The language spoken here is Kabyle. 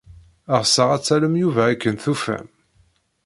Ɣseɣ ad tallem Yuba akken tufam.